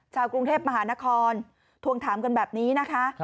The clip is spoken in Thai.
ชาวกรุงเทพมหานครทวงถามกันแบบนี้นะคะ